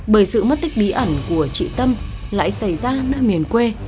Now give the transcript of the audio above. bởi sự mất tích bí ẩn của trị tâm lại xảy ra nơi miền quê